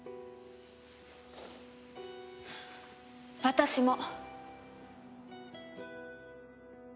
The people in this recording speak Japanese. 私も。